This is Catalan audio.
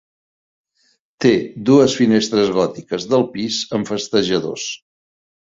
Té dues finestres gòtiques del pis amb festejadors.